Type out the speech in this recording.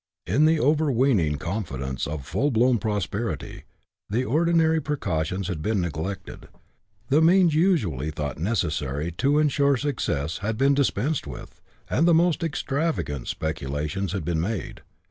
In the overweening confidence of full blown prosperity, the ordinary precautions had been neglected, the means usually thought necessary to ensure success had been dispensed with, and the most extravagant spe culations had been made.